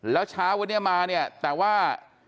แล้วเช้าวันนี้มาเนี่ยแต่ว่า